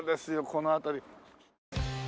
この辺り。